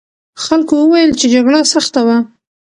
خلکو وویل چې جګړه سخته وه.